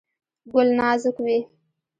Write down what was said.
ګل نازک وي.